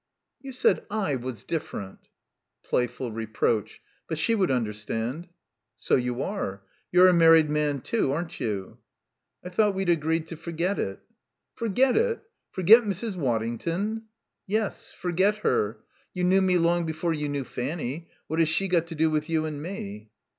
"You said I was different." Playful reproach. But she would understand. "So you are. You're a married man, too, aren't you?" "I thought we'd agreed to forget it." "Forget it? Forget Mrs. Waddington?" "Yes, forget her. You knew me long before you knew Fanny. What has she got to do with you and me?"